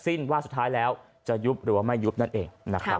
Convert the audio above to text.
เสร็จสิ้นว่าสุดท้ายแล้วจะยุบหรือไม่ยุบนั่นเอง